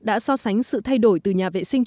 đã so sánh sự thay đổi từ nhà vệ sinh